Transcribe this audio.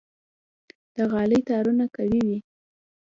د غالۍ تارونه قوي وي.